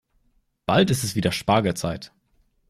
Bald ist es wieder Spargelzeit.